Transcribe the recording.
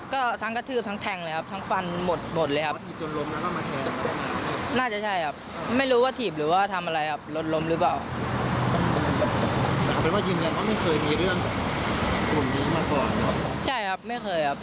เกี่ยวครับเพราะว่าพวกมันเล่นมั่วครับหรือพวกมันเล่นมั่วครับ